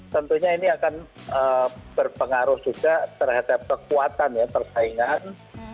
tentunya ini akan berpengaruh juga terhadap kekuatan ya persaingan